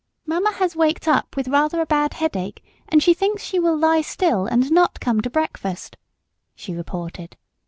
"Mamma has waked up with rather a bad headache, and she thinks she will lie still and not come to breakfast," she reported.